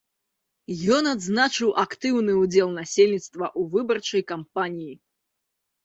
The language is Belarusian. Ён адзначыў актыўны ўдзел насельніцтва ў выбарчай кампаніі.